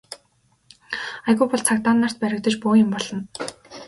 Аягүй бол цагдаа нарт баригдаж бөөн юм болно.